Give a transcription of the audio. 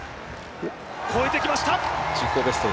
越えてきました。